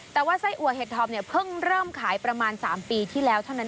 แต่ว่าไส้อัวเห็ดทอมเนี่ยเพิ่งเริ่มขายประมาณ๓ปีที่แล้วเท่านั้น